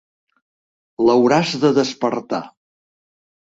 L'hauràs de despertar.